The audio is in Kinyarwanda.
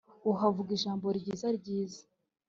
uhavuga ijambo ryiza ryiza